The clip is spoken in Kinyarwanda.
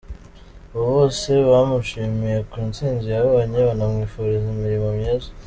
Abo bose bamushimiye ku ntsinzi yabonye, banamwifuriza imirimo myiza.